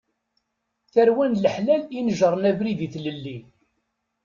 Tarwa n leḥlal inejren abrid i tlelli.